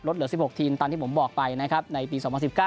เหลือ๑๖ทีมตามที่ผมบอกไปนะครับในปี๒๐๑๙